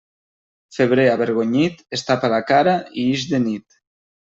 Febrer avergonyit, es tapa la cara i ix de nit.